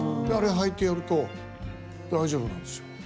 あれ履いてやると大丈夫なんですよ。